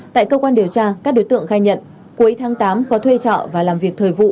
tại cơ quan điều tra các đối tượng khai nhận cuối tháng tám có thuê trọ và làm việc thời vụ